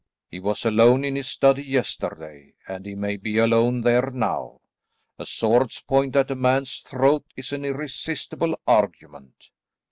He was alone in his study yesterday, and he may be alone there now. A sword's point at a man's throat is an irresistible argument."